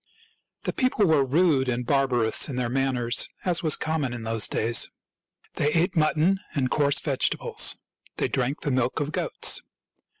The people were rude and barbarous in their manners, as was common in those days. They ate mutton and coarse vegetables. They drank the milk of goats.